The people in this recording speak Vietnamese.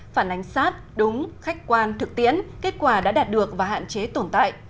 phản ánh sát đúng khách quan thực tiễn kết quả đã đạt được và hạn chế tồn tại